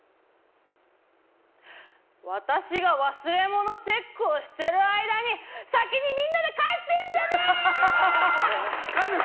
私が忘れ物チェックをしてる間に先にみんなで帰ってんじゃねえよ！